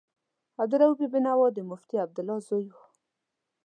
عبدالرؤف بېنوا د مفتي عبدالله زوی و.